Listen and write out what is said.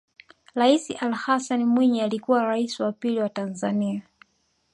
Rais Ali Hassan Mwinyi alikuwa Rais wa pili wa Tanzania